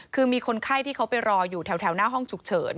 คือมีคนไข้ที่เขาไปรออยู่แถวหน้าห้องฉุกเฉิน